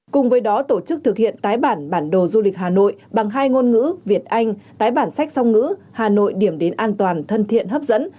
cùng với đó tổ chức thực hiện tái bản bản đồ du lịch hà nội bằng hai ngôn ngữ việt anh tái bản sách song ngữ hà nội điểm đến an toàn thân thiện hấp dẫn